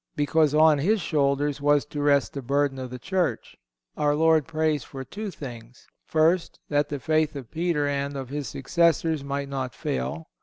Because on his shoulders was to rest the burden of the Church. Our Lord prays for two things: First—That the faith of Peter and of his successors might not fail.